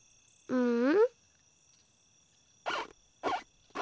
うん？